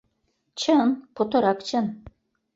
— Чын, путырак чын.